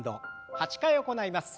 ８回行います。